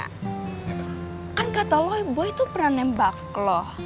kan kata lo boy tuh pernah nembak lo